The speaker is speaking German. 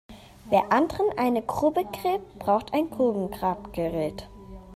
Wer anderen eine Grube gräbt, braucht ein Grubengrabgerät.